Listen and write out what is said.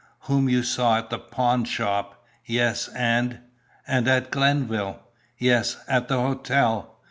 "Whom you saw at the pawnshop?" "Yes. And " "And at Glenville?" "Yes, at the hotel."